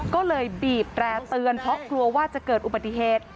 ก็เลยบีบแตร่เตือนเพราะกลัวว่าจะเกิดอุบัติเหตุ